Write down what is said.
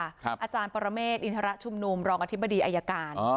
อาจารย์ปรเมฆอินทรชุมนุมรองอธิบดีอายการ